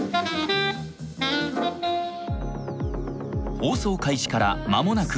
放送開始から間もなく１年。